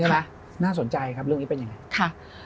น่าสนใจครับเรื่องนี้เป็นยังไงค่ะ